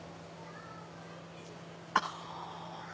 あっ！